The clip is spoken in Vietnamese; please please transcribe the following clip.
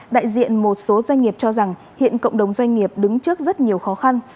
đại diện một số doanh nghiệp cho rằng hiện cộng đồng doanh nghiệp đứng trước rất nhiều khó khăn